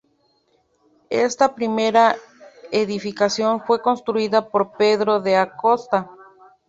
Esta primera edificación fue construida por Pedro de Acosta.